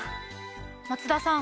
松田さん